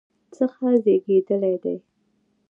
څخه زیږیدلی دی